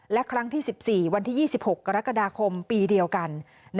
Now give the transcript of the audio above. และครั้งที่๑๔วันที่๒๖กรกฎาคมปีเดียวกัน